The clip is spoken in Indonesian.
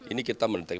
ini kita menetik